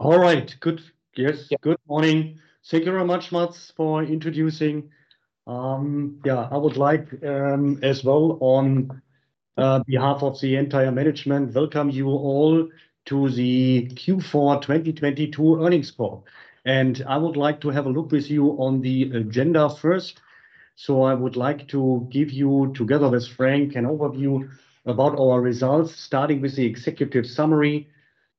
All right. Good. Yes. Good morning. Thank you very much, Mads, for introducing. Yeah, I would like as well on behalf of the entire management, welcome you all to the Q4 2022 earnings call. I would like to have a look with you on the agenda first. I would like to give you, together with Frank, an overview about our results, starting with the executive summary,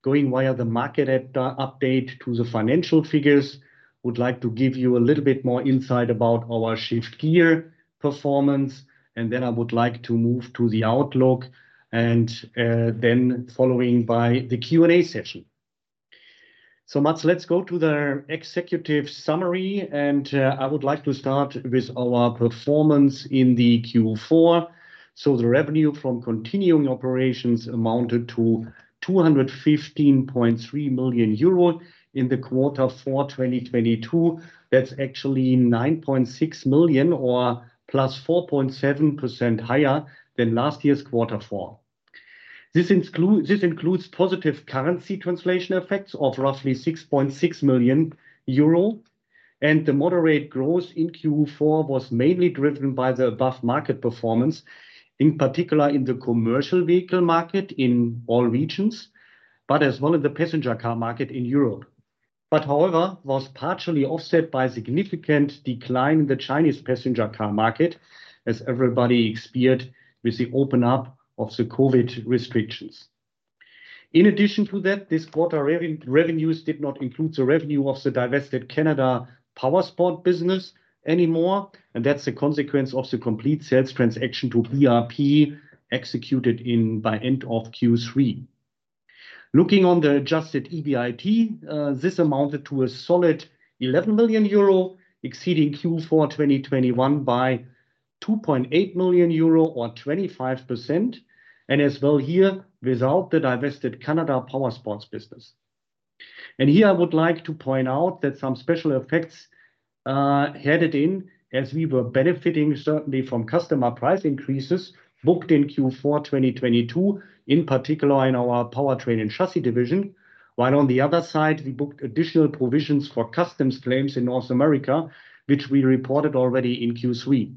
going via the market up-update to the financial figures. Would like to give you a little bit more insight about our Shift Gear performance, and then I would like to move to the outlook and then following by the Q&A session. Mads, let's go to the executive summary, and I would like to start with our performance in the Q4. The revenue from continuing operations amounted to 215.3 million euro in the quarter for 2022. That's actually 9.6 million or +4.7% higher than last year's quarter four. This includes positive currency translation effects of roughly 6.6 million euro, the moderate growth in Q4 was mainly driven by the above-market performance, in particular in the commercial vehicle market in all regions, as well in the passenger car market in Europe, however, was partially offset by significant decline in the Chinese passenger car market, as everybody experienced with the open up of the COVID restrictions. In addition to that, this quarter revenues did not include the revenue of the divested Canada Powersports business anymore, that's a consequence of the complete sales transaction to BRP executed in by end of Q3. Looking on the adjusted EBIT, this amounted to a solid 11 million euro, exceeding Q4 2021 by 2.8 million euro or 25%, as well here, without the divested Canada Powersports business. Here I would like to point out that some special effects headed in as we were benefiting certainly from customer price increases booked in Q4 2022, in particular in our Powertrain and Chassis division, while on the other side, we booked additional provisions for customs claims in North America, which we reported already in Q3.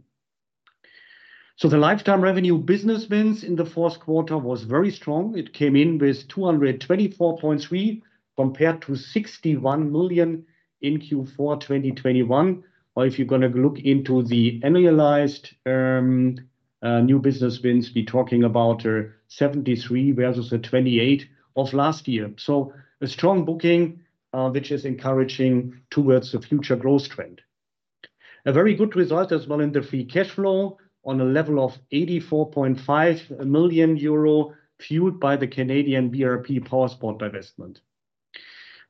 The lifetime revenue business wins in the fourth quarter was very strong. It came in with 224.3, compared to 61 million in Q4 2021. If you're going to look into the annualized new business wins, we talking about 73 million versus the 28 million of last year. A strong booking, which is encouraging towards the future growth trend. A very good result as well in the free cash flow on a level of 84.5 million euro, fueled by the Canadian BRP Powersports divestment.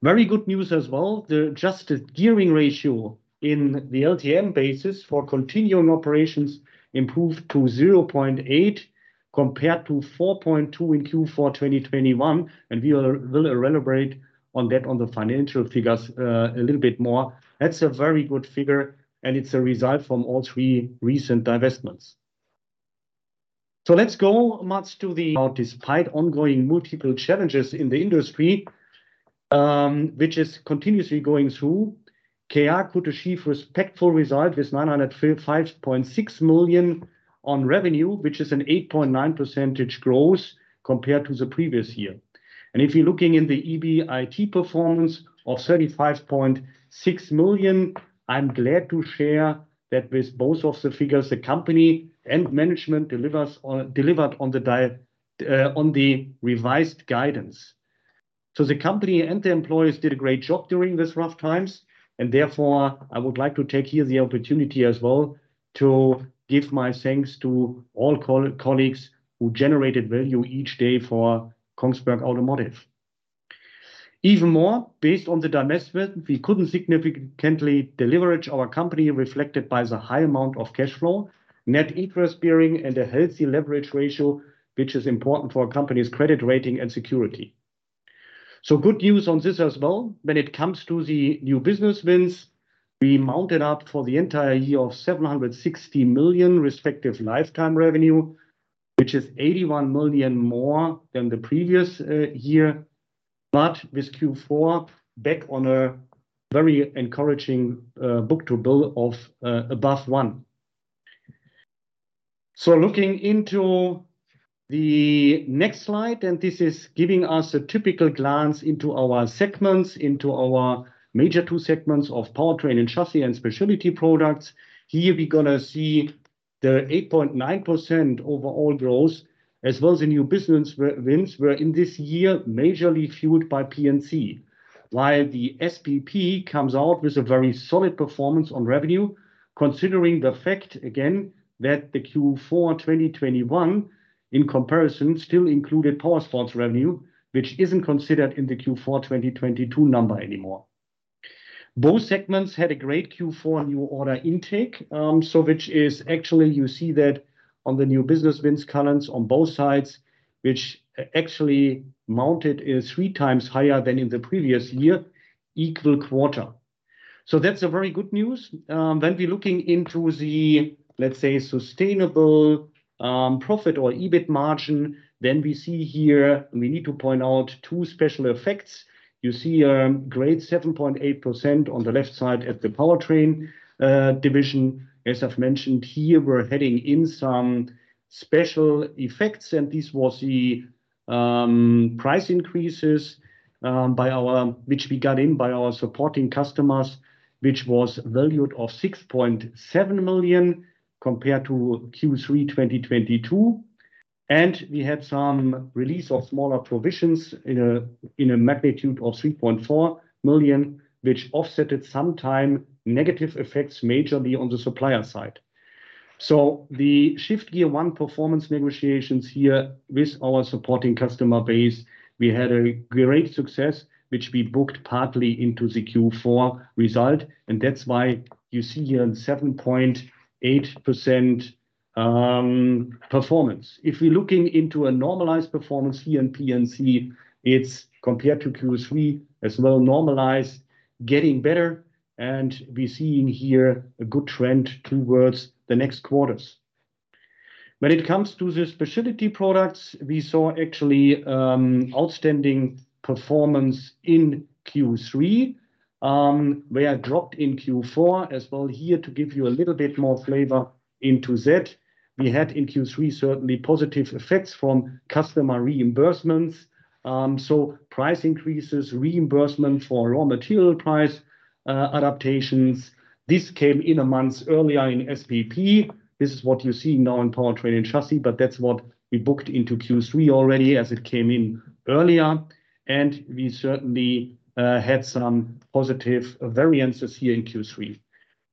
Very good news as well, the adjusted gearing ratio in the LTM basis for continuing operations improved to 0.8, compared to 4.2 in Q4 2021, and we will elaborate on that on the financial figures a little bit more. That's a very good figure, and it's a result from all three recent divestments. Let's go, Mads. Despite ongoing multiple challenges in the industry, which is continuously going through, KA could achieve respectful result with 905.6 million on revenue, which is an 8.9% growth compared to the previous year. If you're looking in the EBIT performance of 35.6 million, I'm glad to share that with both of the figures, the company and management delivered on the revised guidance. The company and the employees did a great job during this rough times, therefore, I would like to take here the opportunity as well to give my thanks to all colleagues who generated value each day for Kongsberg Automotive. Even more, based on the divestment, we couldn't significantly leverage our company reflected by the high amount of cash flow, net interest-bearing, and a healthy leverage ratio, which is important for a company's credit rating and security. Good news on this as well. When it comes to the new business wins, we mounted up for the entire year of 760 million respective lifetime revenue, which is 81 million more than the previous year. With Q4, back on a very encouraging book-to-bill of above one. Looking into the next slide, this is giving us a typical glance into our segments, into our major two segments of Powertrain and Chassis Products and Specialty Products. Here we're going to see the 8.9% overall growth, as well as the new business wins were in this year, majorly fueled by P&C, while the SPP comes out with a very solid performance on revenue, considering the fact, again, that the Q4 2021, in comparison, still included Powersports revenue, which isn't considered in the Q4 2022 number anymore. Both segments had a great Q4 new order intake, which is actually you see that on the new business wins columns on both sides, which actually mounted three times higher than in the previous year, equal quarter. That's a very good news. When we're looking into the, let's say, sustainable profit or EBIT margin, we see here, and we need to point out two special effects. You see, great 7.8% on the left side at the powertrain division. As I've mentioned here, we're heading in some special effects, and this was the price increases by our which we got in by our supporting customers, which was valued of 6.7 million compared to Q3 2022. We had some release of smaller provisions in a magnitude of 3.4 million, which offset at some time negative effects majorly on the supplier side. The Shift Gear One performance negotiations here with our supporting customer base, we had a great success, which we booked partly into the Q4 result. That's why you see here 7.8% performance. If we're looking into a normalized performance here in P&C, it's compared to Q3 as well normalized, getting better, and we see in here a good trend towards the next quarters. When it comes to the Specialty Products, we saw actually outstanding performance in Q3, where dropped in Q4 as well. Here to give you a little bit more flavor into that, we had in Q3, certainly positive effects from customer reimbursements. Price increases, reimbursement for raw material price adaptations. This came in a month earlier in SPP. This is what you see now in Powertrain and Chassis, but that's what we booked into Q3 already as it came in earlier. We certainly had some positive variances here in Q3.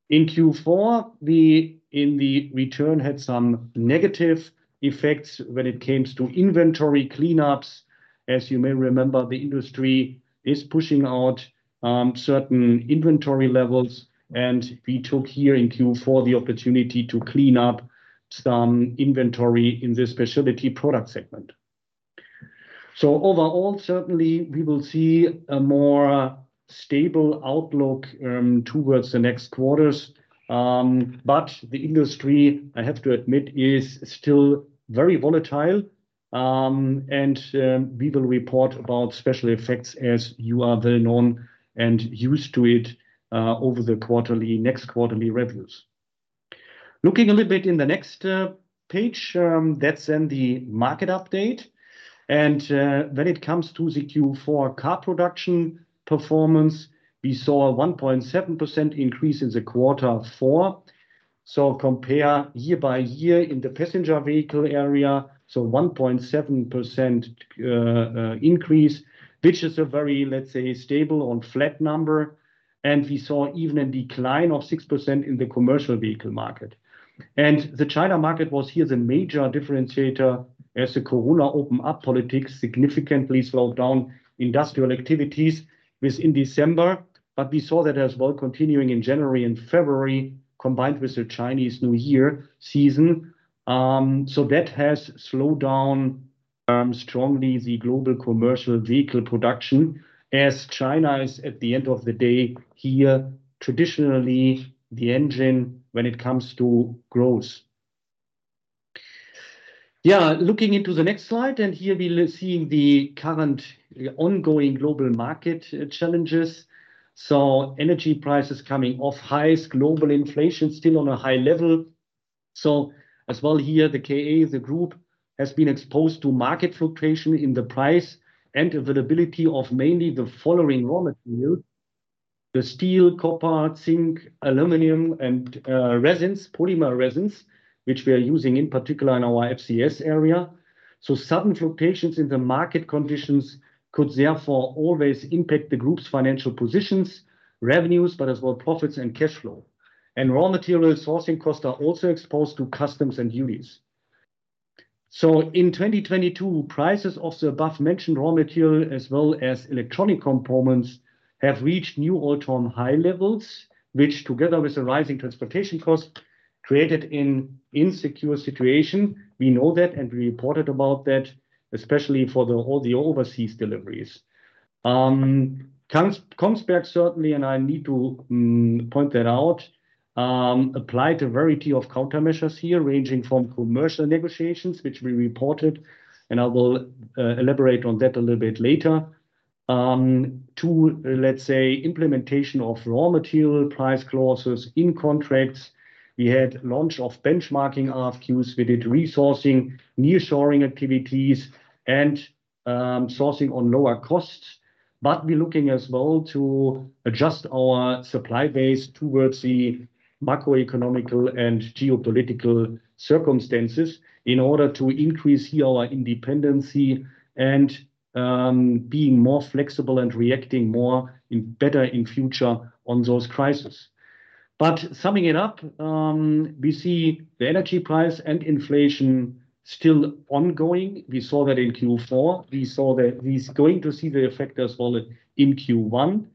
In Q4, we in the return had some negative effects when it came to inventory cleanups. As you may remember, the industry is pushing out certain inventory levels, and we took here in Q4 the opportunity to clean up some inventory in the Specialty Products segment. Overall, certainly, we will see a more stable outlook towards the next quarters. The industry, I have to admit, is still very volatile, we will report about special effects as you are very known and used to it over the quarterly, next quarterly revenues. Looking a little bit in the next page, that's in the market update. When it comes to the Q4 car production performance, we saw a 1.7% increase in the quarter four. Compare year-over-year in the passenger vehicle area, 1.7% increase, which is a very, let's say, stable on flat number. We saw even a decline of 6% in the commercial vehicle market. The China market was here the major differentiator as the Corona open up politics significantly slowed down industrial activities within December. We saw that as well continuing in January and February, combined with the Chinese New Year season. That has slowed down strongly the global commercial vehicle production as China is, at the end of the day here, traditionally the engine when it comes to growth. Yeah. Looking into the next slide, here we're seeing the current ongoing global market challenges. Energy prices coming off highs, global inflation still on a high level. As well here, the KA, the group, has been exposed to market fluctuation in the price and availability of mainly the following raw material: the steel, copper, zinc, aluminum, and resins, polymer resins, which we are using in particular in our FCS area. Sudden fluctuations in the market conditions could therefore always impact the group's financial positions, revenues, but as well profits and cash flow. Raw material sourcing costs are also exposed to customs and duties. In 2022, prices of the above-mentioned raw material as well as electronic components have reached new all-time high levels, which together with the rising transportation costs, created an insecure situation. We know that and we reported about that, especially all the overseas deliveries. Kongsberg certainly, and I need to point that out, applied a variety of countermeasures here, ranging from commercial negotiations, which we reported, and I will elaborate on that a little bit later, to, let's say, implementation of raw material price clauses in contracts. We had launch of benchmarking RFQs. We did resourcing, nearshoring activities and sourcing on lower costs. We're looking as well to adjust our supply base towards the macroeconomic and geopolitical circumstances in order to increase here our independence and being more flexible and reacting more, in better in future on those crises. Summing it up, we see the energy price and inflation still ongoing. We saw that in Q4. We're going to see the effect as well in Q1.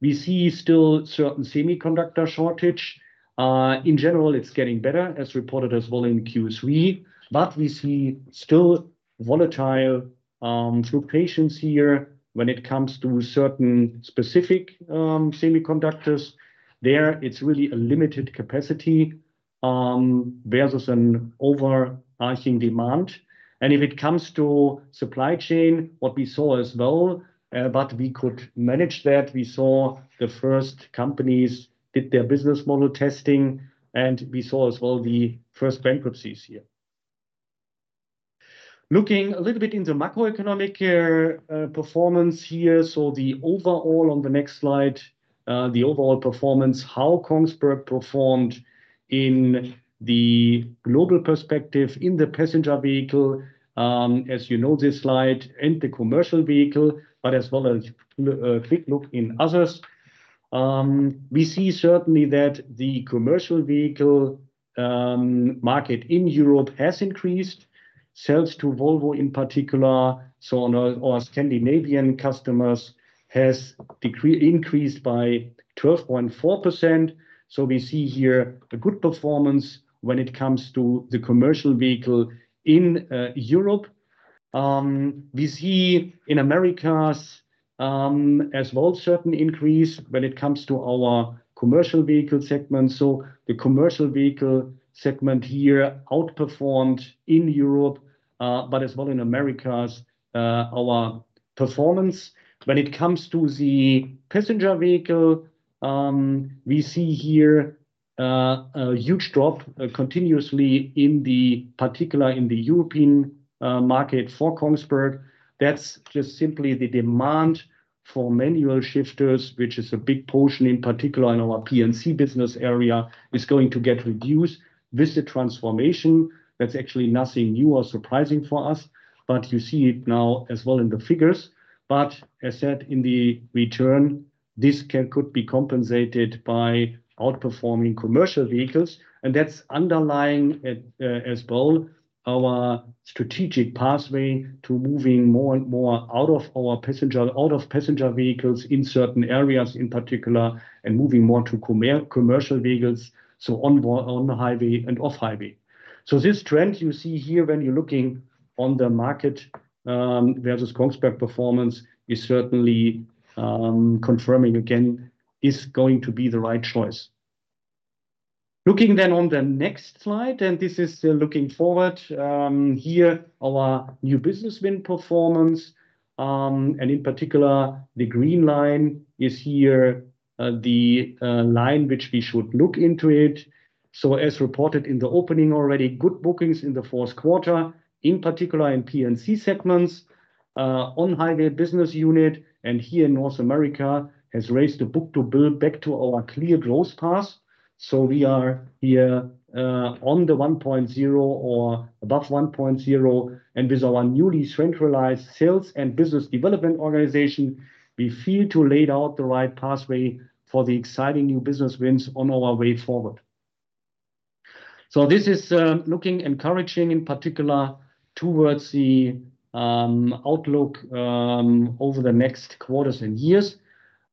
We see still certain semiconductor shortage. In general, it's getting better, as reported as well in Q3. We see still volatile fluctuations here when it comes to certain specific semiconductors. There, it's really a limited capacity versus an overarching demand. If it comes to supply chain, what we saw as well, but we could manage that. We saw the first companies did their business model testing. We saw as well the first bankruptcies here. Looking a little bit in the macroeconomic performance here, the overall on the next slide, the overall performance, how Kongsberg performed in the global perspective in the passenger vehicle, as you know this slide, and the commercial vehicle, but as well as a quick look in others. We see certainly that the commercial vehicle market in Europe has increased. Sales to Volvo in particular, so on, or Scandinavian customers has increased by 12.4%. We see here a good performance when it comes to the commercial vehicle in Europe. We see in Americas as well, certain increase when it comes to our commercial vehicle segment. The commercial vehicle segment here outperformed in Europe, but as well in Americas, our performance. When it comes to the passenger vehicle, we see here, a huge drop continuously in the particular, in the European market for Kongsberg. That's just simply the demand for manual shifters, which is a big portion, in particular in our P&C business area, is going to get reduced with the transformation. That's actually nothing new or surprising for us, but you see it now as well in the figures. As said in the return, this could be compensated by outperforming commercial vehicles. That's underlying at as well our strategic pathway to moving more and more out of our passenger vehicles in certain areas in particular, and moving more to commercial vehicles, so on board, on the highway and off highway. This trend you see here when you're looking on the market versus Kongsberg performance is certainly confirming again, is going to be the right choice. Looking on the next slide, and this is looking forward, here, our new business win performance, and in particular, the green line is here the line which we should look into it. As reported in the opening already, good bookings in the fourth quarter, in particular in P&C segments, on highway business unit, and here North America has raised the book-to-bill back to our clear growth path. We are here on the 1.0 or above 1.0. With our newly centralized sales and business development organization, we feel to laid out the right pathway for the exciting new business wins on our way forward. This is looking encouraging, in particular towards the outlook over the next quarters and years.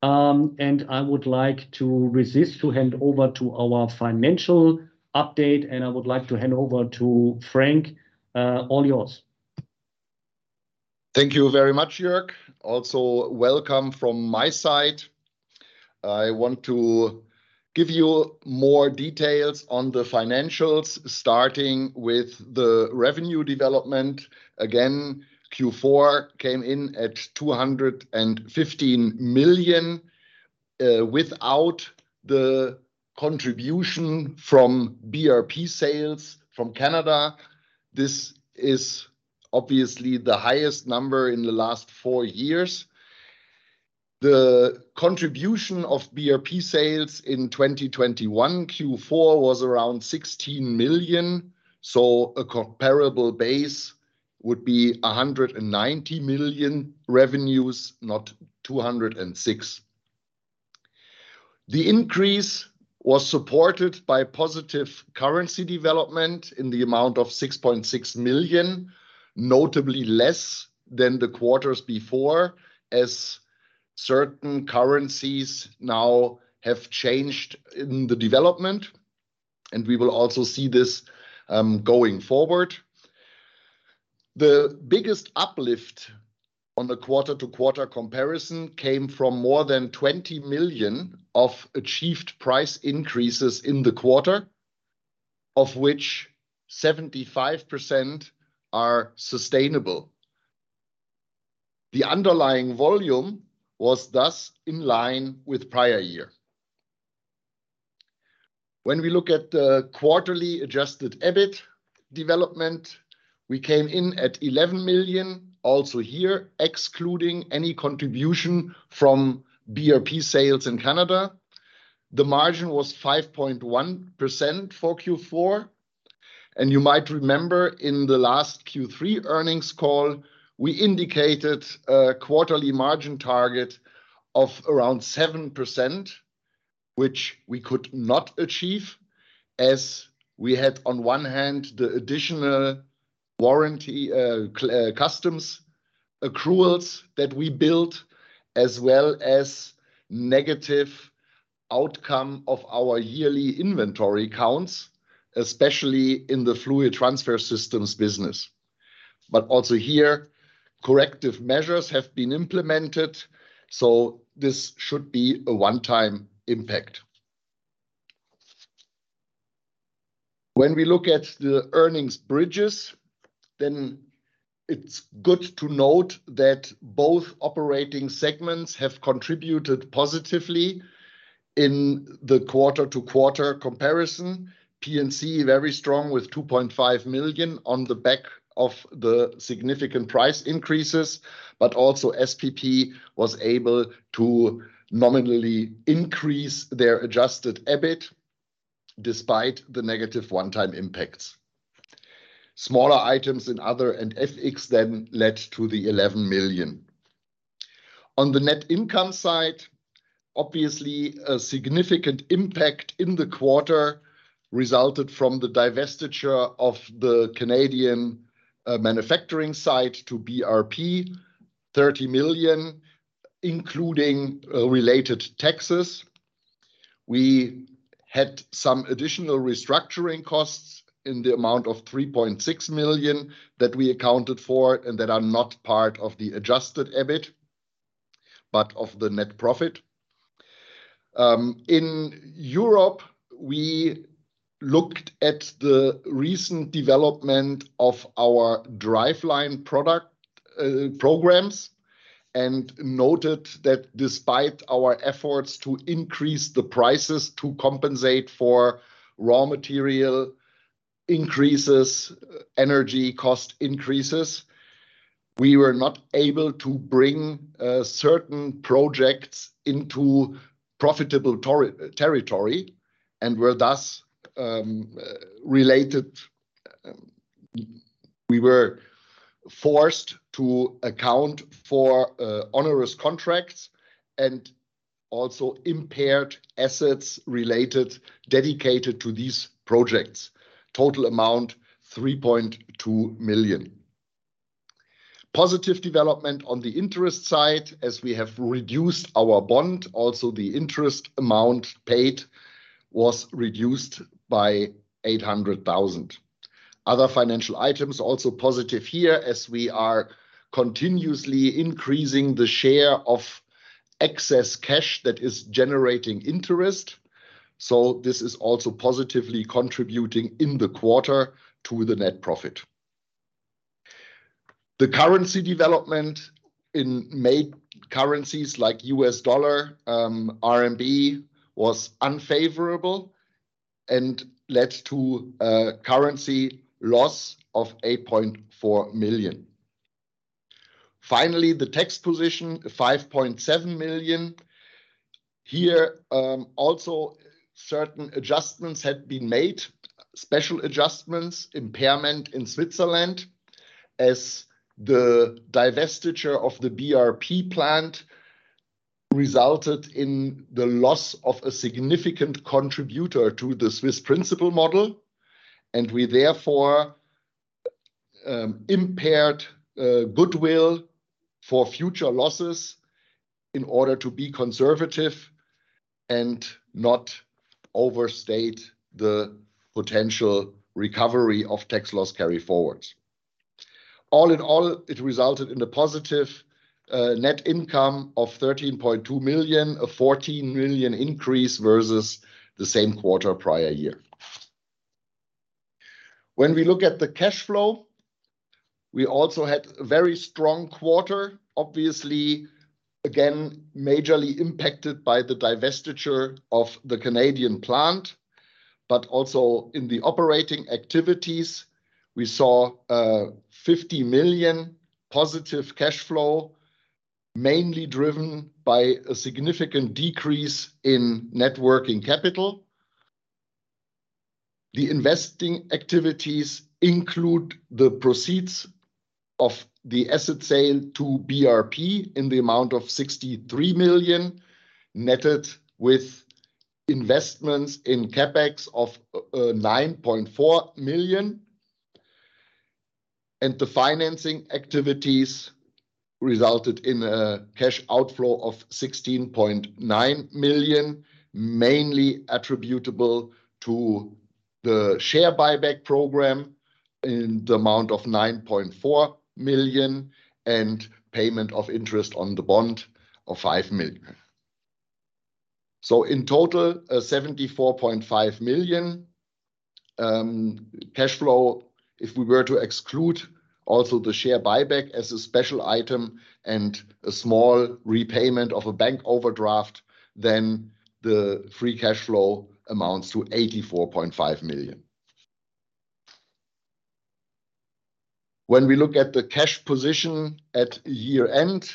I would like to resist to hand over to our financial update, and I would like to hand over to Frank. All yours. Thank you very much, Jörg. Also welcome from my side. I want to give you more details on the financials, starting with the revenue development. Again, Q4 came in at 215 million without the contribution from BRP sales from Canada. This is obviously the highest number in the last four years. The contribution of BRP sales in 2021 Q4 was around 16 million. A comparable base would be 190 million revenues, not 206. The increase was supported by positive currency development in the amount of 6.6 million, notably less than the quarters before, as certain currencies now have changed in the development, and we will also see this going forward. The biggest uplift on the quarter-to-quarter comparison came from more than 20 million of achieved price increases in the quarter, of which 75% are sustainable. The underlying volume was thus in line with prior year. When we look at the quarterly adjusted EBIT development, we came in at 11 million, also here excluding any contribution from BRP sales in Canada. The margin was 5.1% for Q4. You might remember in the last Q3 earnings call, we indicated a quarterly margin target of around 7%, which we could not achieve as we had on one hand, the additional warranty, customs accruals that we built as well as negative outcome of our yearly inventory counts, especially in the Fluid Transfer Systems business. Also here, corrective measures have been implemented, so this should be a one-time impact. When we look at the earnings bridges, then it's good to note that both operating segments have contributed positively in the quarter-to-quarter comparison. P&C, very strong with 2.5 million on the back of the significant price increases. Also SPP was able to nominally increase their adjusted EBIT despite the negative one-time impacts. Smaller items in other and FX then led to 11 million. On the net income side, obviously, a significant impact in the quarter resulted from the divestiture of the Canadian manufacturing site to BRP, 30 million, including related taxes. We had some additional restructuring costs in the amount of 3.6 million that we accounted for and that are not part of the adjusted EBIT, but of the net profit. In Europe, we looked at the recent development of our Driveline product programs, and noted that despite our efforts to increase the prices to compensate for raw material increases, energy cost increases, we were not able to bring certain projects into profitable territory and were thus, we were forced to account for onerous contracts and also impaired assets related, dedicated to these projects. Total amount, 3.2 million. Positive development on the interest side, as we have reduced our bond. Also, the interest amount paid was reduced by 800,000. Other financial items also positive here, as we are continuously increasing the share of excess cash that is generating interest. This is also positively contributing in the quarter to the net profit. The currency development in currencies like U.S. dollar, RMB, was unfavorable and led to a currency loss of 8.4 million. The tax position, 5.7 million. Here, also certain adjustments had been made, special adjustments, impairment in Switzerland, as the divestiture of the BRP plant resulted in the loss of a significant contributor to the Swiss principal model, and we therefore impaired goodwill for future losses in order to be conservative and not overstate the potential recovery of tax loss carryforwards. It resulted in a positive net income of 13.2 million, a 14 million increase versus the same quarter prior year. When we look at the cash flow, we also had a very strong quarter. Obviously, again, majorly impacted by the divestiture of the Canadian plant, but also in the operating activities, we saw a 50 million positive cash flow, mainly driven by a significant decrease in net working capital. The investing activities include the proceeds of the asset sale to BRP in the amount of 63 million, netted with investments in CapEx of 9.4 million. The financing activities resulted in a cash outflow of 16.9 million, mainly attributable to the share buyback program in the amount of 9.4 million, and payment of interest on the bond of 5 million. In total, 74.5 million cash flow. If we were to exclude also the share buyback as a special item and a small repayment of a bank overdraft, then the free cash flow amounts to 84.5 million. When we look at the cash position at year-end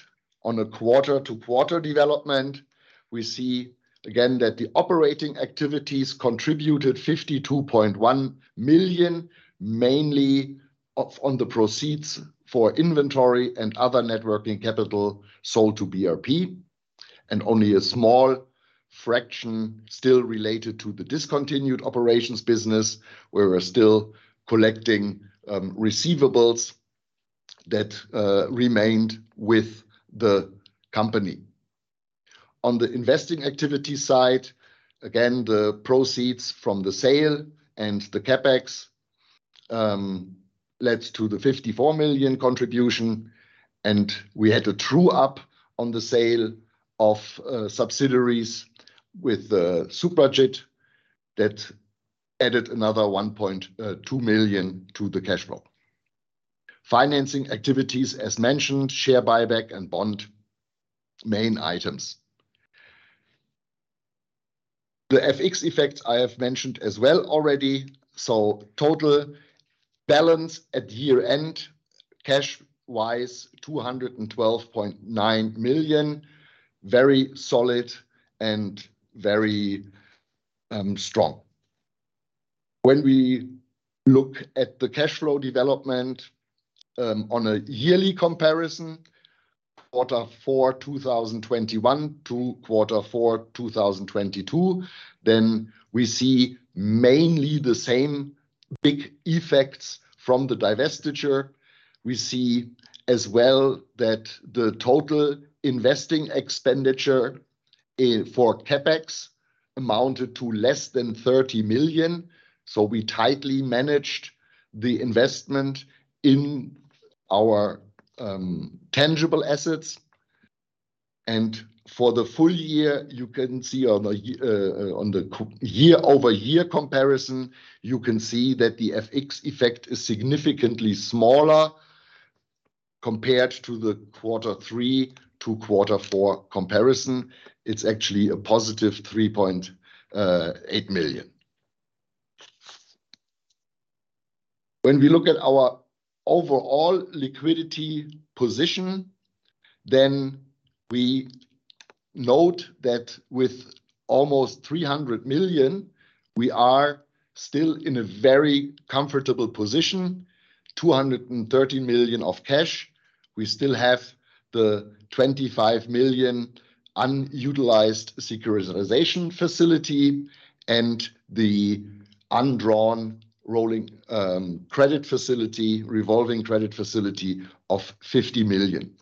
on a quarter-to-quarter development, we see again that the operating activities contribut 52.1 million, mainly on the proceeds for inventory and other net working capital sold to BRP, and only a small fraction still related to the discontinued operations business, where we're still collecting receivables that remained with the company. On the investing activity side, again, the proceeds from the sale and the CapEx led to the 54 million contribution, and we had to true up on the sale of subsidiaries with Suprajit that added another 1.2 million to the cash flow. Financing activities, as mentioned, share buyback and bond main items. The FX effects I have mentioned as well already. Total balance at year-end, cash-wise, 212.9 million. Very solid and very strong. When we look at the cash flow development, on a yearly comparison, quarter four, 2021 to quarter four, 2022, we see mainly the same big effects from the divestiture. We see as well that the total investing expenditure for CapEx amounted to less than 30 million. We tightly managed the investment in our tangible assets. For the full year, you can see on the year-over-year comparison, you can see that the FX effect is significantly smaller compared to the quarter three to quarter four comparison. It's actually a positive 3.8 million. When we look at our overall liquidity position, we note that with almost 300 million, we are still in a very comfortable position, 230 million of cash. We still have the 25 million unutilized securitization facility and the undrawn revolving credit facility of 50 million.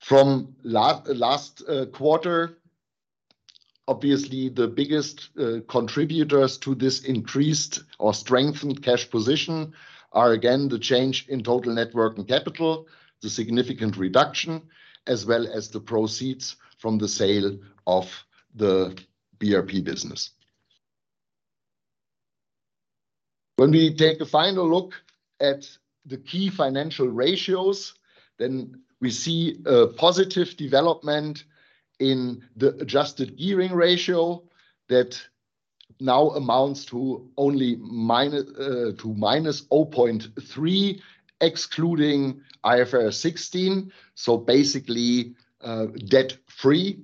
From last quarter, obviously the biggest contributors to this increased or strengthened cash position are again, the change in total net working capital, the significant reduction, as well as the proceeds from the sale of the BRP business. When we take a final look at the key financial ratios, we see a positive development in the adjusted gearing ratio that now amounts to only -0.3, excluding IFRS 16, so basically debt-free.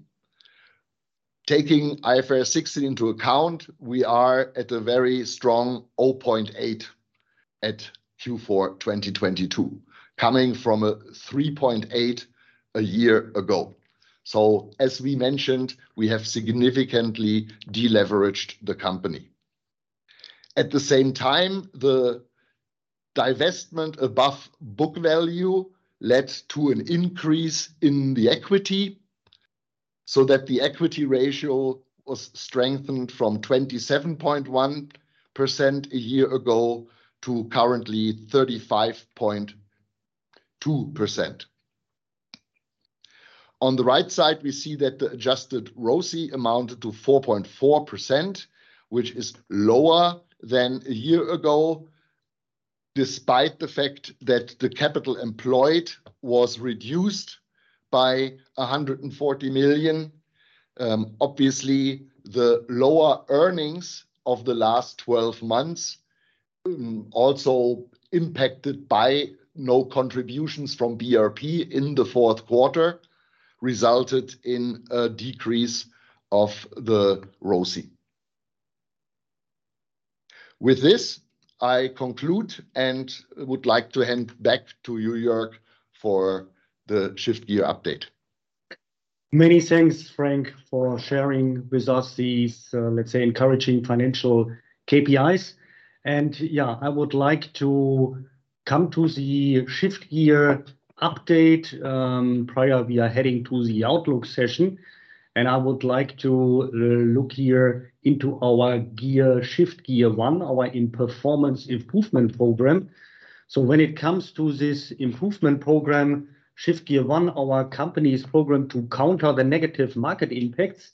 Taking IFRS 16 into account, we are at a very strong 0.8 at Q4 2022, coming from a 3.8 a year ago. As we mentioned, we have significantly deleveraged the company. At the same time, the divestment above book value led to an increase in the equity, so that the equity ratio was strengthened from 27.1% a year ago to currently 35.2%. On the right side, we see that the adjusted ROCE amounted to 4.4%, which is lower than a year ago, despite the fact that the capital employed was reduced by 140 million. Obviously, the lower earnings of the last 12 months, also impacted by no contributions from BRP in the fourth quarter, resulted in a decrease of the ROCE. With this, I conclude and would like to hand back to you, Jörg, for the Shift Gear update. Many thanks, Frank, for sharing with us these, let's say, encouraging financial KPIs. Yeah, I would like to come to the Shift Gear update, prior we are heading to the Outlook session. I would like to look here into our gear, Shift Gear One, our in-performance improvement program. When it comes to this improvement program, Shift Gear One, our company's program to counter the negative market impacts,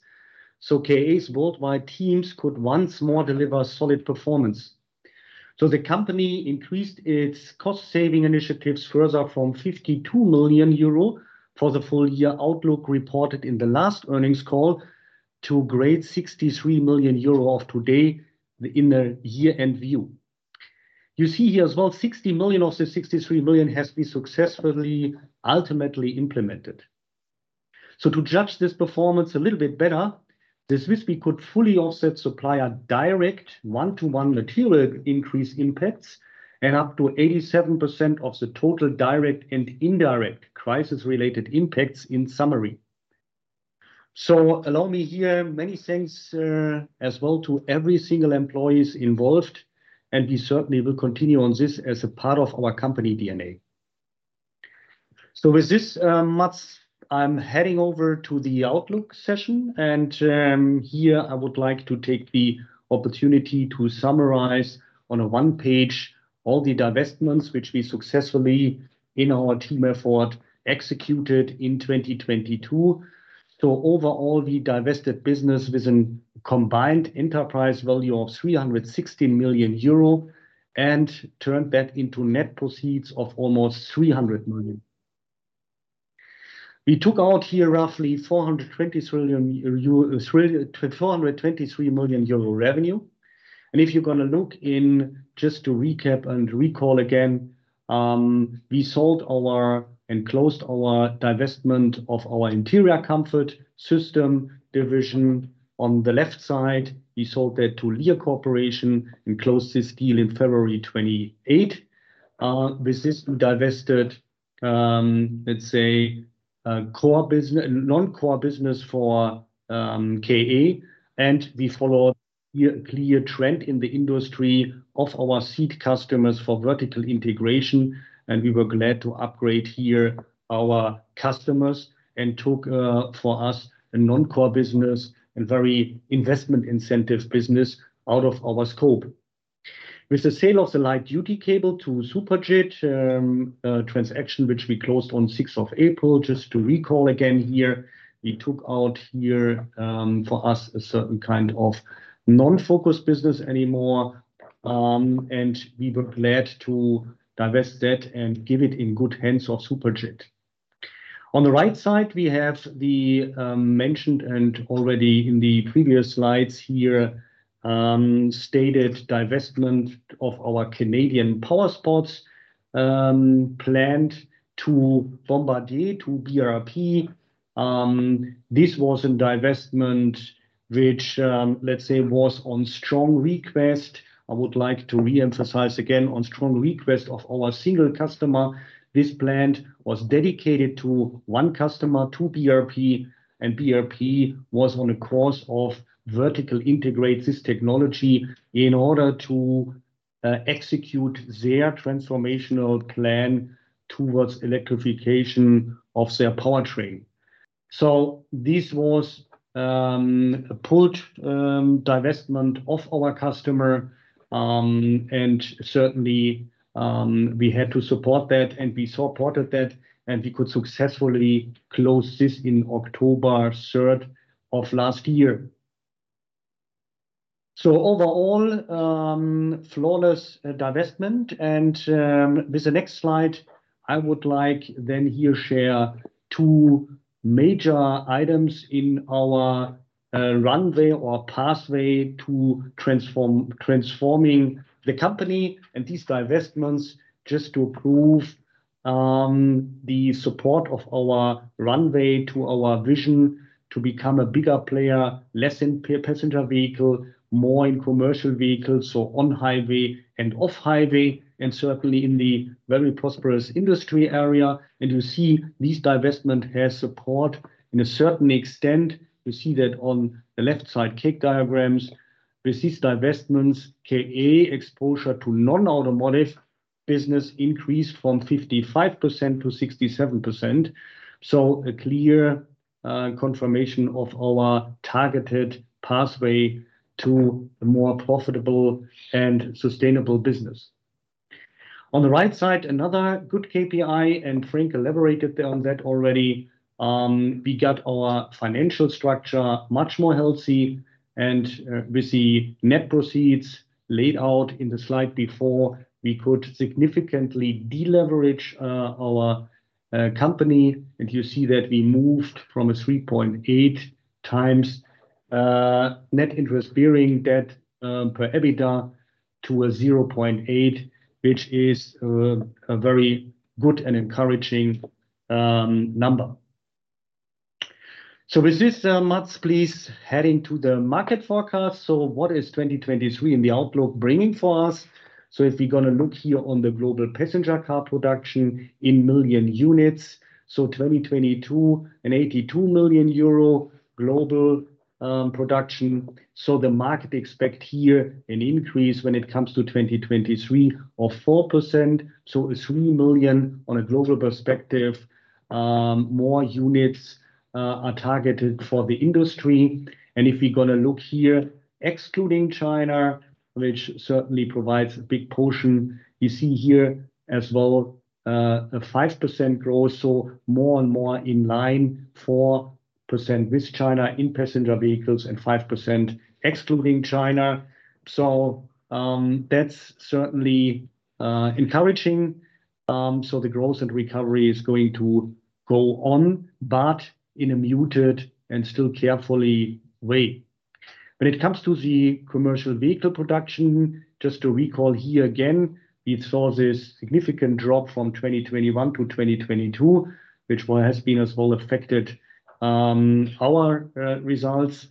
KA's worldwide teams could once more deliver solid performance. The company increased its cost saving initiatives further from 52 million euro for the full year outlook reported in the last earnings call to a great 63 million euro of today in the year-end view. You see here as well, 60 million of the 63 million has been successfully ultimately implemented. To judge this performance a little bit better, this risk we could fully offset supplier direct one-to-one material increase impacts and up to 87% of the total direct and indirect crisis-related impacts in summary. Allow me here, many thanks as well to every single employees involved, and we certainly will continue on this as a part of our company DNA. With this, Mads, I'm heading over to the outlook session, and here I would like to take the opportunity to summarize on a one page all the divestments which we successfully in our team effort executed in 2022. Overall, we divested business with a combined enterprise value of 360 million euro and turned that into net proceeds of almost 300 million. We took out here roughly 423 million euro revenue. If you're going to look in just to recap and recall again, we sold our and closed our divestment of our Interior Comfort Systems division. On the left side, we sold that to Lear Corporation and closed this deal in February 28. This is divested, let's say, non-core business for KA, we followed a clear trend in the industry of our seat customers for vertical integration, and we were glad to upgrade here our customers and took for us a non-core business and very investment incentive business out of our scope. With the sale of the light duty cable to Suprajit, transaction, which we closed on 6th of April, just to recall again here, we took out here for us a certain kind of non-focus business anymore, and we were glad to divest that and give it in good hands of Suprajit. On the right side, we have the mentioned and already in the previous slides here stated divestment of our Canadian Powersports, plant to Bombardier, to BRP. This was a divestment which, let's say was on strong request. I would like to re-emphasize again, on strong request of our single customer, this plant was dedicated to one customer, to BRP, and BRP was on a course of vertical integrate this technology in order to execute their transformational plan towards electrification of their powertrain. This was pulled divestment of our customer, and certainly, we had to support that, and we supported that, and we could successfully close this in October third of last year. Overall, flawless divestment. With the next slide, I would like then here share two major items in our runway or pathway to transforming the company and these divestments just to prove the support of our runway to our vision to become a bigger player, less in passenger vehicle, more in commercial vehicles, on highway and off highway, and certainly in the very prosperous industry area. You see this divestment has support in a certain extent. You see that on the left side cake diagrams. With these divestments, KA exposure to non-automotive business increased from 55% to 67%. A clear confirmation of our targeted pathway to a more profitable and sustainable business. On the right side, another good KPI, Frank elaborated on that already. We got our financial structure much more healthy, and with the net proceeds laid out in the slide before, we could significantly deleverage our company. You see that we moved from a 3.8 times net interest-bearing debt per EBITDA to a 0.8, which is a very good and encouraging number. With this, Mads, please heading to the market forecast. What is 2023 and the outlook bringing for us? If we're going to look here on the global passenger car production in million units, 2022, an 82 million global production. The market expect here an increase when it comes to 2023 of 4%. A 3 million on a global perspective, more units are targeted for the industry. If we're going to look here, excluding China, which certainly provides a big portion, you see here as well, a 5% growth, so more and more in line, 4% with China in passenger vehicles and 5% excluding China. That's certainly encouraging. The growth and recovery is going to go on, but in a muted and still carefully way. When it comes to the commercial vehicle production, just to recall here again, we saw this significant drop from 2021 to 2022, which one has been as well affected our results.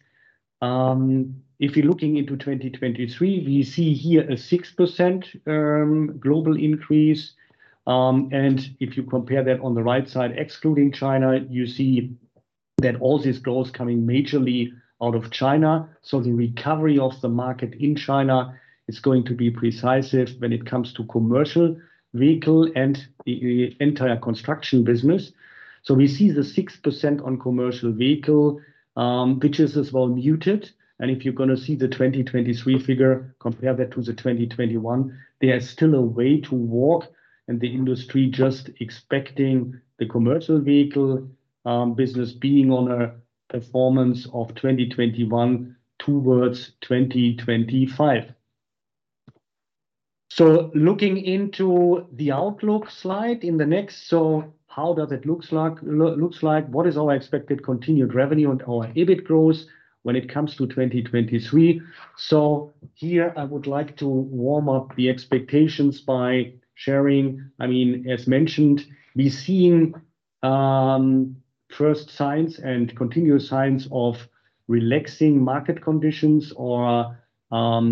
If you're looking into 2023, we see here a 6% global increase. If you compare that on the right side, excluding China, you see that all these growth coming majorly out of China. The recovery of the market in China is going to be precise if when it comes to commercial vehicle and the entire construction business. We see the 6% on commercial vehicle, which is as well muted. If you're going to see the 2023 figure, compare that to the 2021, there are still a way to walk in the industry just expecting the commercial vehicle business being on a performance of 2021 towards 2025. Looking into the outlook slide in the next. How does it looks like, looks like? What is our expected continued revenue and our EBIT growth when it comes to 2023? Here I would like to warm up the expectations by sharing. I mean, as mentioned, we're seeing first signs and continuous signs of relaxing market conditions or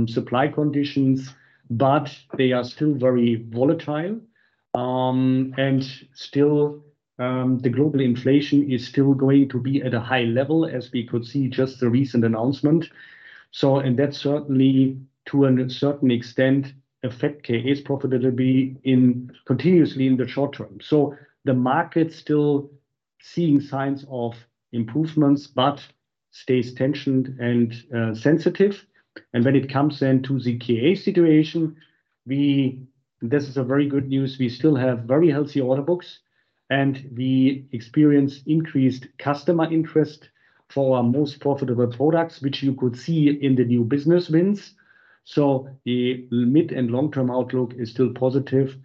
supply conditions, but they are still very volatile. Still, the global inflation is still going to be at a high level as we could see just the recent announcement. That certainly, to a certain extent, affect KA's profitability continuously in the short term. The market still seeing signs of improvements but stays tensioned and sensitive. When it comes then to the KA situation, This is a very good news. We still have very healthy order books. We experience increased customer interest for our most profitable products, which you could see in the new business wins. The mid and long-term outlook is still positive,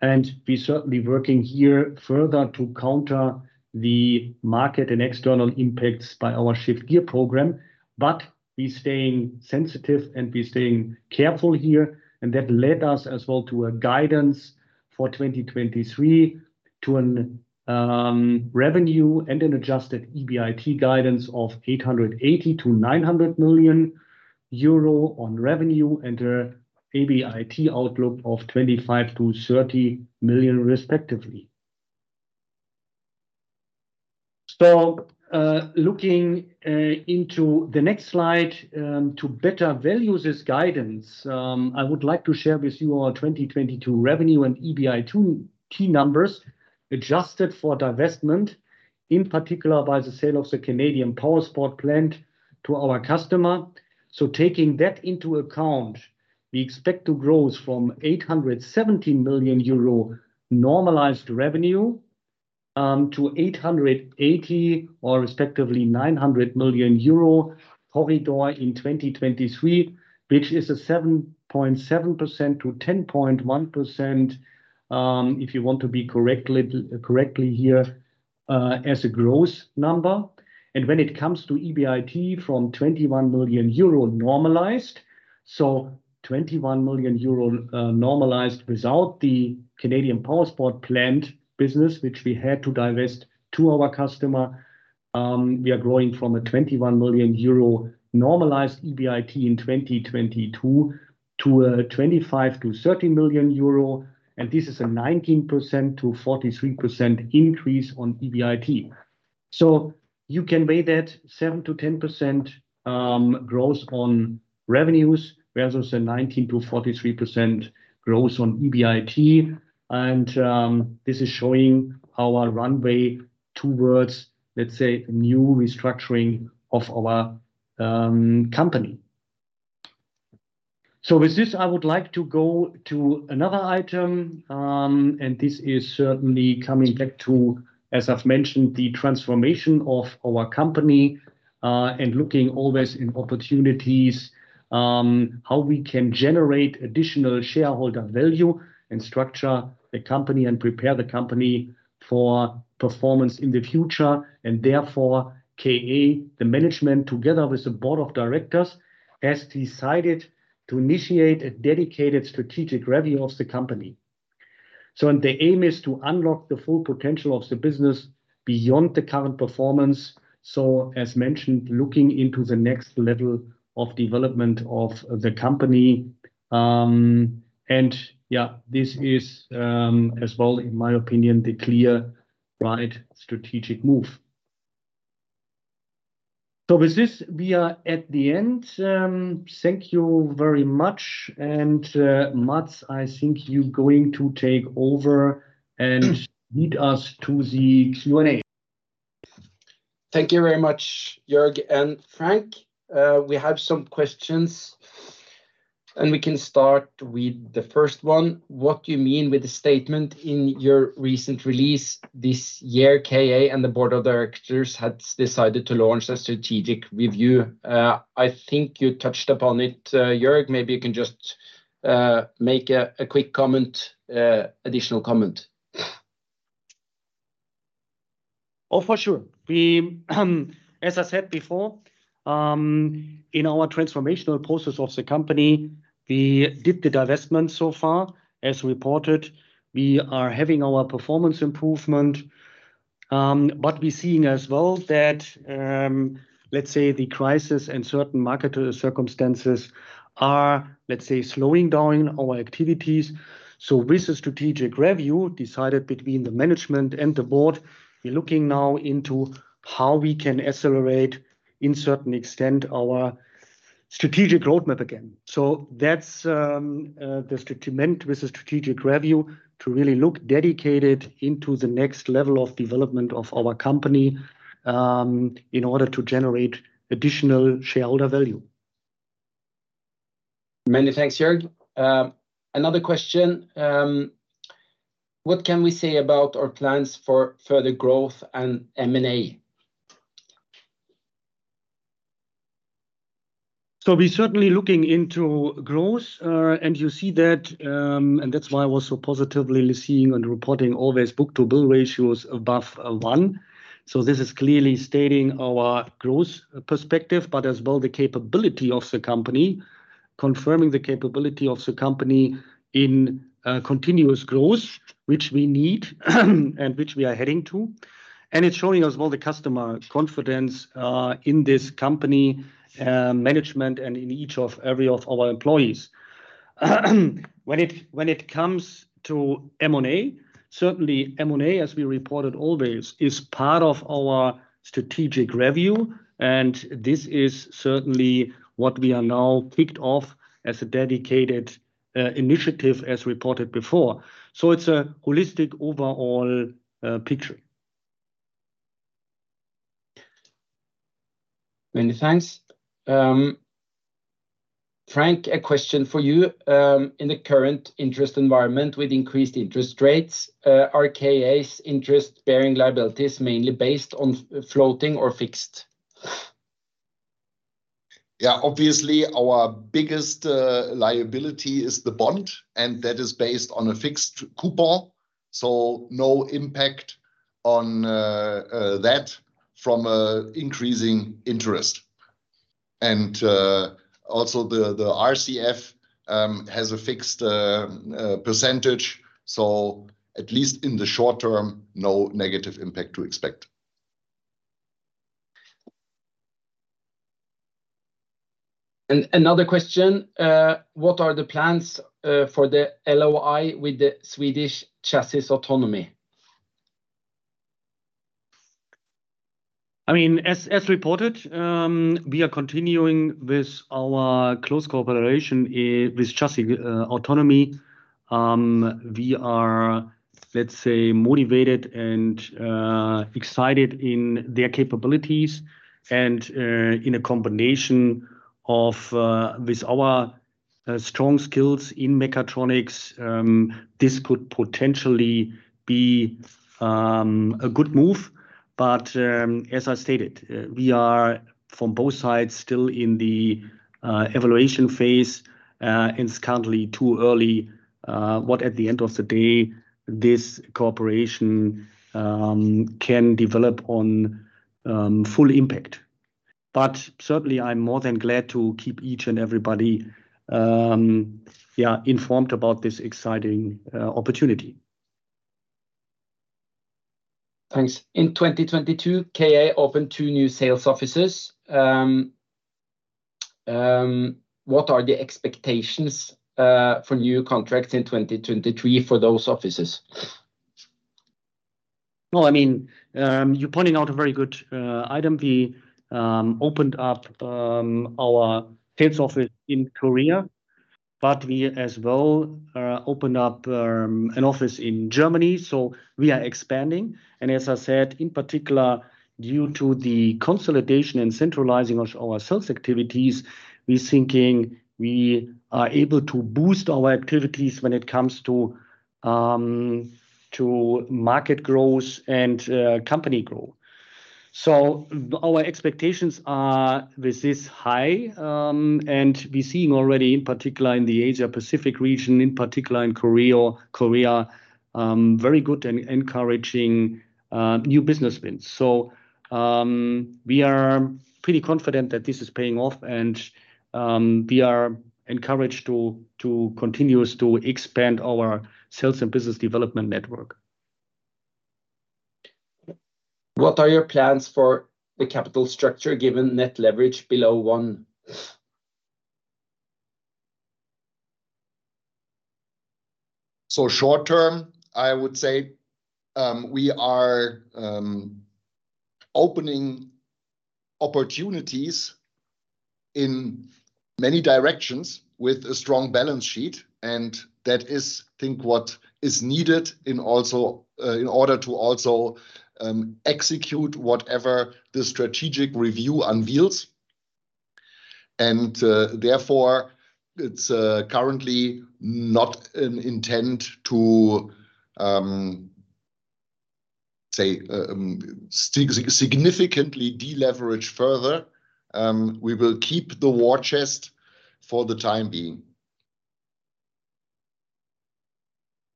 and we certainly working here further to counter the market and external impacts by our Shift Gear program. We staying sensitive, and we staying careful here, and that led us as well to a guidance for 2023 to an revenue and an adjusted EBIT guidance of 880 million-900 million euro on revenue and a EBIT outlook of 25 million-30 million respectively. Looking into the next slide, to better value this guidance, I would like to share with you our 2022 revenue and EBIT key numbers adjusted for divestment, in particular by the sale of the Canadian Powersport plant to our customer. Taking that into account, we expect to grow from 870 million euro normalized revenue to 880 million-900 million euro corridor in 2023, which is a 7.7%-10.1%, if you want to be correctly here, as a gross number. When it comes to EBIT from 21 million euro normalized, so 21 million euro normalized without the Canadian Powersports plant business, which we had to divest to our customer, we are growing from a 21 million euro normalized EBIT in 2022 to a 25 million-30 million euro, this is a 19%-43% increase on EBIT. You can weigh that 7%-10% growth on revenues versus a 19%-43% growth on EBIT. This is showing our runway towards, let's say, new restructuring of our company. With this, I would like to go to another item, and this is certainly coming back to, as I've mentioned, the transformation of our company, and looking always in opportunities, how we can generate additional shareholder value and structure the company and prepare the company for performance in the future. Therefore, KA, the management, together with the board of directors, has decided to initiate a dedicated strategic review of the company. The aim is to unlock the full potential of the business beyond the current performance. As mentioned, looking into the next level of development of the company. And yeah, this is, as well, in my opinion, the clear right strategic move. With this, we are at the end. Thank you very much. Mads, I think you're going to take over and lead us to the Q&A. Thank you very much, Jörg and Frank. We have some questions, and we can start with the first one. What do you mean with the statement in your recent release this year, KA and the board of directors had decided to launch a strategic review? I think you touched upon it, Jörg. Maybe you can just make a quick comment, additional comment. Oh, for sure. As I said before, in our transformational process of the company, we did the divestment so far. As reported, we are having our performance improvement. We're seeing as well that, let's say, the crisis and certain market circumstances are, let's say, slowing down our activities. With the strategic review decided between the management and the board, we're looking now into how we can accelerate in certain extent our strategic roadmap again. That's meant with the strategic review to really look dedicated into the next level of development of our company, in order to generate additional shareholder value. Many thanks, Jörg. Another question. What can we say about our plans for further growth and M&A? We're certainly looking into growth, and you see that, and that's why I was so positively seeing and reporting all those book-to-bill ratios above one. This is clearly stating our growth perspective, but as well the capability of the company, confirming the capability of the company in continuous growth, which we need and which we are heading to. It's showing us all the customer confidence in this company management and in each of every of our employees. When it comes to M&A, certainly M&A, as we reported always, is part of our strategic review, and this is certainly what we have now kicked off as a dedicated initiative as reported before. It's a holistic overall picture. Many thanks. Frank, a question for you. In the current interest environment with increased interest rates, are KA's interest-bearing liabilities mainly based on floating or fixed? Yeah. Obviously, our biggest liability is the bond, and that is based on a fixed coupon, so no impact on that from a increasing interest. Also the RCF has a fixed percentage, so at least in the short term, no negative impact to expect. Another question. What are the plans for the LOI with the Swedish Chassis Autonomy? I mean, as reported, we are continuing with our close cooperation with Chassis Autonomy. We are, let's say, motivated and excited in their capabilities and in a combination of with our strong skills in mechatronics, this could potentially be a good move. As I stated, we are, from both sides, still in the evaluation phase. It's currently too early what, at the end of the day, this cooperation can develop on full impact. Certainly I'm more than glad to keep each and everybody, yeah, informed about this exciting opportunity. Thanks. In 2022, KA opened two new sales offices. What are the expectations for new contracts in 2023 for those offices? Well, I mean, you're pointing out a very good item. We opened up our sales office in Korea, but we as well opened up an office in Germany, so we are expanding. As I said, in particular, due to the consolidation and centralizing of our sales activities, we're thinking we are able to boost our activities when it comes to market growth and company growth. Our expectations are with this high, and we're seeing already, in particular in the Asia Pacific region, in particular in Korea or Korea, very good and encouraging new business wins. We are pretty confident that this is paying off and we are encouraged to continuous to expand our sales and business development network. What are your plans for the capital structure given net leverage below one? Short term, I would say, we are opening opportunities in many directions with a strong balance sheet, that is think what is needed in also, in order to also, execute whatever the strategic review unveils. Therefore it's currently not an intent to say significantly deleverage further. We will keep the war chest for the time being.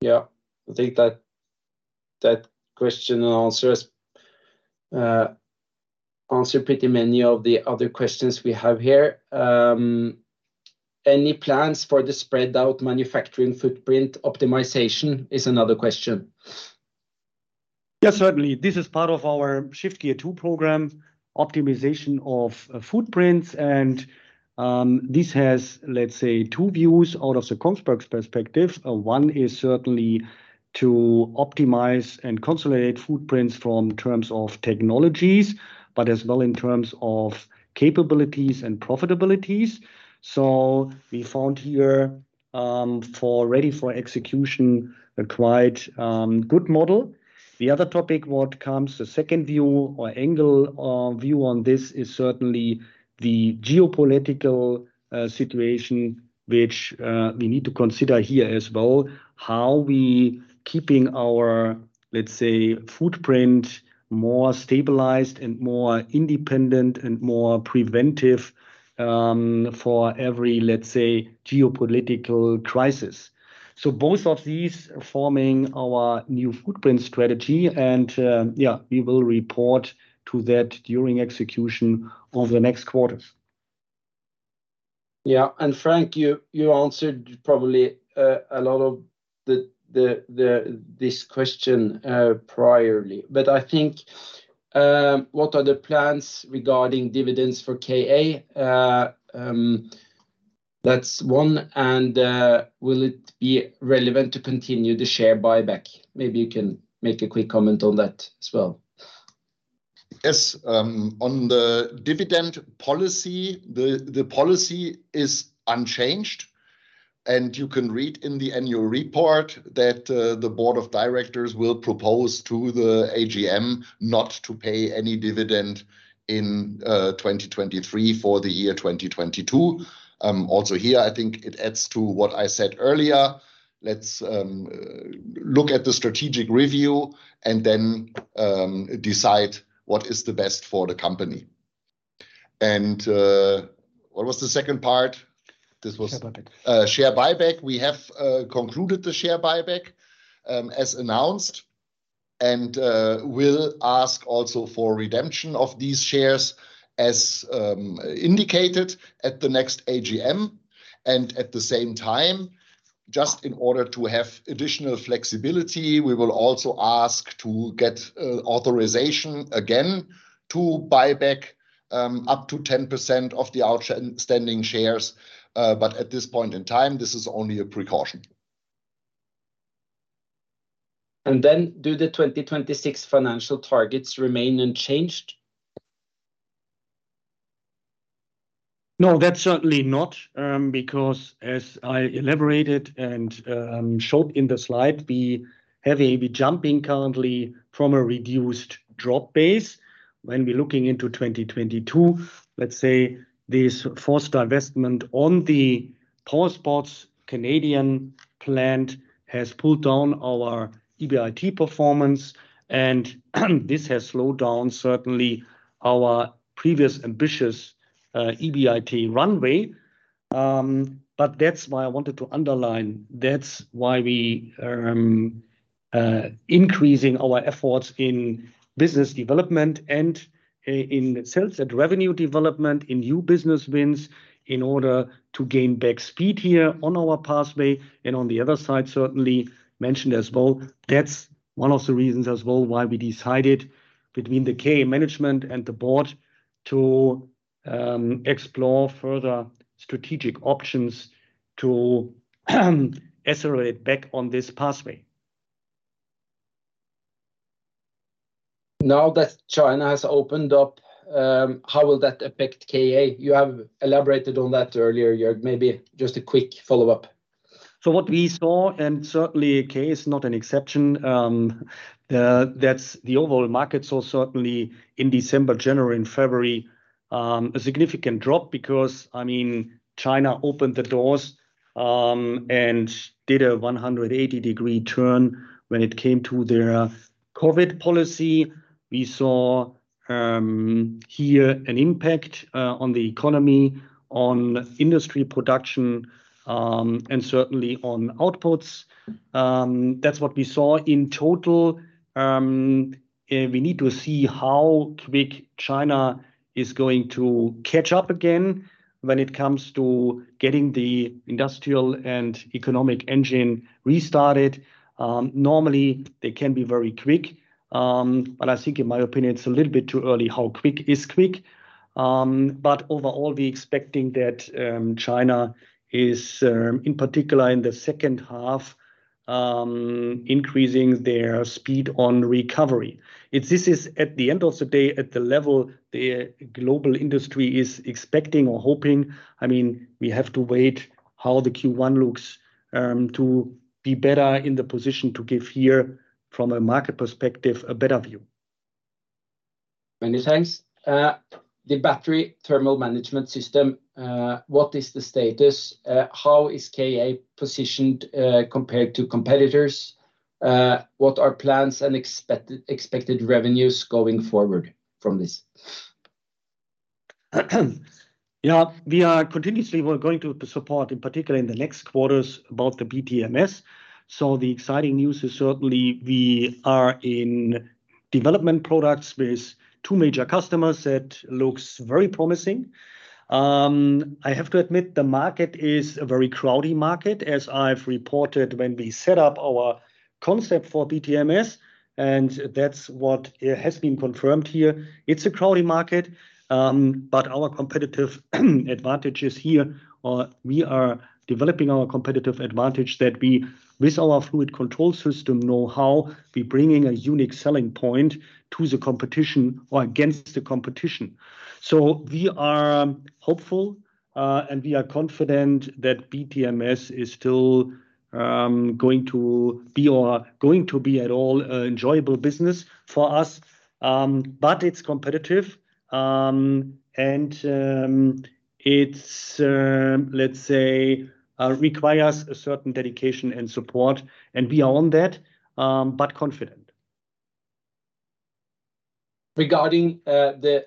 Yeah. I think that question and answer is answer pretty many of the other questions we have here. Any plans for the spread out manufacturing footprint optimization is another question. Yes, certainly. This is part of our Shift Gear Two program, optimization of footprints. This has, let's say, two views out of the Kongsberg's perspective. One is certainly to optimize and consolidate footprints from terms of technologies, but as well in terms of capabilities and profitabilities. We found here, for ready for execution a quite good model. The other topic what comes, the second view or angle or view on this is certainly the geopolitical situation which we need to consider here as well. How we keeping our, let's say, footprint more stabilized and more independent and more preventive for every, let's say, geopolitical crisis. Both of these are forming our new footprint strategy, and we will report to that during execution of the next quarters. Yeah. Frank, you answered probably a lot of this question priorly. I think, what are the plans regarding dividends for KA? That's one. Will it be relevant to continue the share buyback? Maybe you can make a quick comment on that as well. Yes. On the dividend policy, the policy is unchanged. You can read in the annual report that the board of directors will propose to the AGM not to pay any dividend in 2023 for the year 2022. Also here, I think it adds to what I said earlier. Let's look at the strategic review and then decide what is the best for the company. What was the second part? Share buyback. Share buyback. We have concluded the share buyback, as announced, we'll ask also for redemption of these shares as indicated at the next AGM. At the same time, just in order to have additional flexibility, we will also ask to get authorization again to buyback up to 10% of the outstanding shares. At this point in time, this is only a precaution. Do the 2026 financial targets remain unchanged? That's certainly not. Because as I elaborated and showed in the slide, we jumping currently from a reduced drop base. When we're looking into 2022, let's say this forced divestment on the Powersports Canadian plant has pulled down our EBIT performance, and this has slowed down certainly our previous ambitious EBIT runway. That's why I wanted to underline. That's why we are increasing our efforts in business development and in sales and revenue development in new business wins in order to gain back speed here on our pathway. On the other side, certainly mentioned as well, that's one of the reasons as well why we decided between the KA management and the board to explore further strategic options to accelerate back on this pathway. Now that China has opened up, how will that affect KA? You have elaborated on that earlier, Jörg. Maybe just a quick follow-up. What we saw, and certainly KA is not an exception, that's the overall market saw certainly in December, January and February, a significant drop because, I mean, China opened the doors, and did a 180 degree turn when it came to their COVID policy. We saw here an impact on the economy, on industry production, and certainly on outputs. That's what we saw in total. We need to see how quick China is going to catch up again when it comes to getting the industrial and economic engine restarted. Normally, they can be very quick. I think in my opinion, it's a little bit too early how quick is quick. Overall, we expecting that China is in particular in the second half, increasing their speed on recovery. If this is at the end of the day at the level the global industry is expecting or hoping, I mean, we have to wait how the Q1 looks, to be better in the position to give here from a market perspective a better view. Many thanks. The battery thermal management system, what is the status? How is KA positioned compared to competitors? What are plans and expected revenues going forward from this? We are continuously we're going to support, in particular in the next quarters, about the BTMS. The exciting news is certainly we are in development products with two major customers that looks very promising. I have to admit the market is a very crowded market, as I've reported when we set up our concept for BTMS, and that's what has been confirmed here. It's a crowded market, our competitive advantage is here. We are developing our competitive advantage that we, with our Flow Control Systems know-how, we bringing a unique selling point to the competition or against the competition. We are hopeful, and we are confident that BTMS is still going to be at all enjoyable business for us. It's competitive, and it's, let's say, requires a certain dedication and support, and we are on that, but confident. Regarding the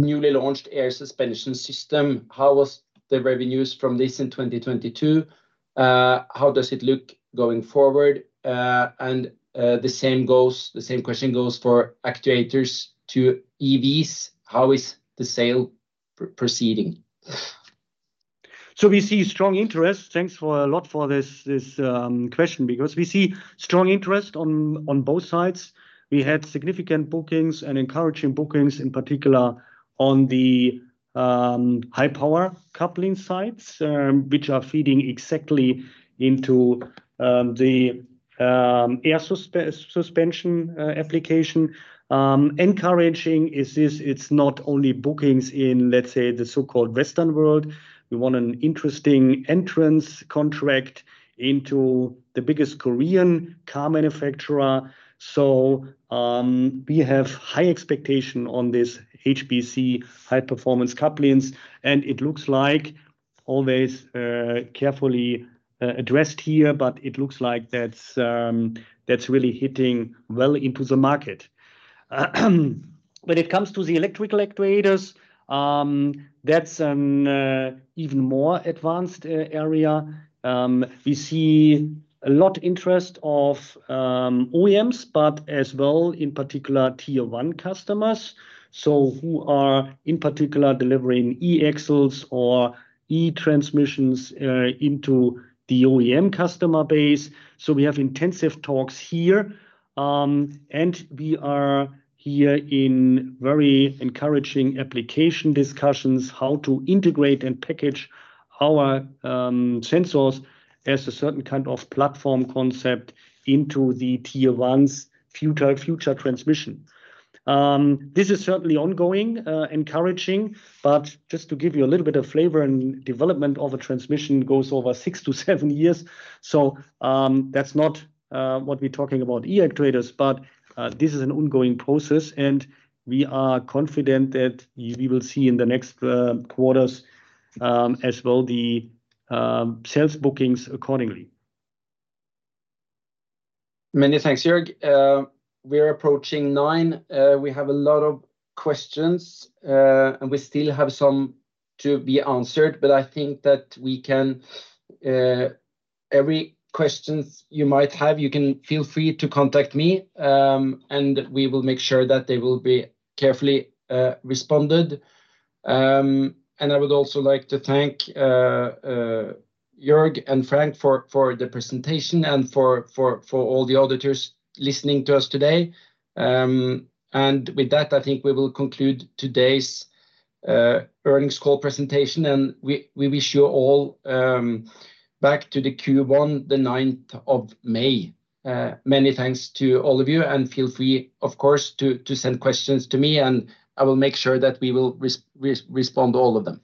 newly launched air suspension system, how was the revenues from this in 2022? How does it look going forward? The same question goes for actuators to EVs. How is the sale proceeding? We see strong interest. Thanks a lot for this question because we see strong interest on both sides. We had significant bookings and encouraging bookings, in particular on the High-Performance Couplings, which are feeding exactly into the air suspension application. Encouraging is this, it's not only bookings in, let's say, the so-called Western world. We won an interesting entrance contract into the biggest Korean car manufacturer. We have high expectation on this HPC, high-performance couplings, and it looks like always carefully addressed here, but it looks like that's really hitting well into the market. When it comes to the electrical actuators, that's an even more advanced area. We see a lot interest of OEMs, as well in particular tier one customers, who are in particular delivering E-axles or e-transmissions into the OEM customer base. We have intensive talks here, and we are here in very encouraging application discussions how to integrate and package our sensors as a certain kind of platform concept into the tier one's future transmission. This is certainly ongoing, encouraging, just to give you a little bit of flavor and development of a transmission goes over six to seven years. That's not what we're talking about e-Actuators, this is an ongoing process and we are confident that we will see in the next quarters, as well the sales bookings accordingly. Many thanks, Jörg. We are approaching nine. We have a lot of questions, and we still have some to be answered, but I think that we can every questions you might have, you can feel free to contact me, and we will make sure that they will be carefully responded. I would also like to thank Jörg and Frank for the presentation and for all the auditors listening to us today. With that, I think we will conclude today's earnings call presentation, and we wish you all back to the Q1, the ninth of May. Many thanks to all of you, and feel free, of course, to send questions to me, and I will make sure that we will respond to all of them.